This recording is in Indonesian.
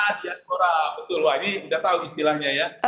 diaspora betul wah ini udah tahu istilahnya ya